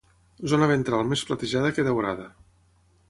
Zona ventral més platejada que daurada.